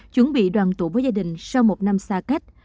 chuẩn bị đoàn tụ với gia đình sau một năm xa cách